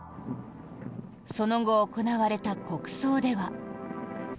その後行われた国葬では。